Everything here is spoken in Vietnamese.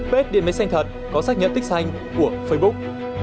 bếp điện máy xanh thật có xác nhận tích xanh của facebook